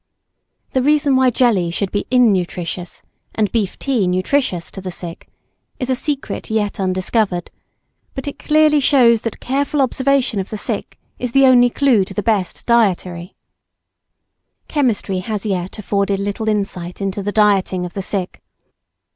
The reason why jelly should be innutritious and beef tea nutritious to the sick, is a secret yet undiscovered, but it clearly shows that careful observation of the sick is the only clue to the best dietary. [Sidenote: Observation, not chemistry, must decide sick diet.] Chemistry has as yet afforded little insight into the dieting of sick.